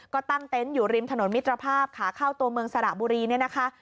ก็ตั้งเต็นต์อยู่ริมถนนมิตรภาพขาเข้าตัวเมืองสระบุรีเนี่ยนะคะ